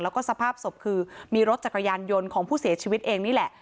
แล้วก็สภาพศพคือมีรถจักรยานยนต์ของผู้เสียชีวิตเองนี่แหละ